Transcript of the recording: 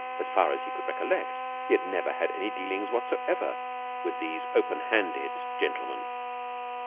As far as he could recollect, he had never had any dealings whatsoever with these open handed gentlemen.